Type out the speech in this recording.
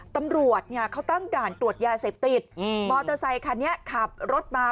ตำรวจเนี่ยเขาตั้งด่านตรวจยาเสพติดมอเตอร์ไซคันนี้ขับรถมา